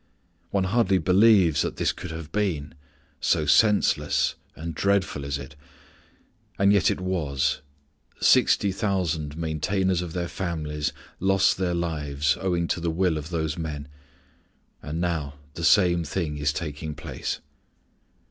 One hardly believes that this could have been, so senseless and dreadful is it, and yet it was; sixty thousand maintainers of their families lost their lives owing to the will of those men. And now the same thing is taking place.